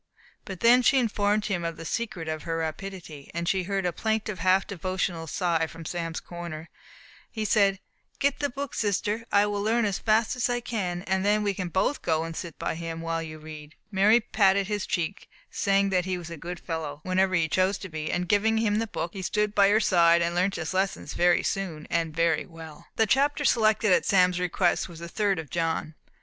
But when she informed him of the secret of her rapidity, and he heard a plaintive, half devotional sigh from Sam's corner, he said, "Get the book, sister; I will learn as fast as I can, and then we can both go and sit by him, while you read." Mary patted his cheek, saying that he was a good fellow, whenever he chose to be; and giving him the book, he stood by her side, and learnt his lessons very soon, and very well. The chapter selected at Sam's request was the third of John.